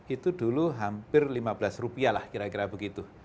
itu dulu hampir lima belas rupiah lah kira kira begitu